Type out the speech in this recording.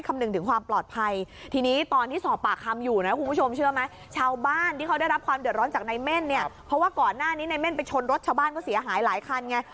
เมื่อก่อนหน้านี้ในเม่นไปชนรถชาวบ้านก็เสียหายหลายคันไง